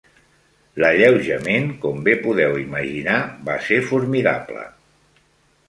L'alleujament, com bé podeu imaginar, va ser formidable.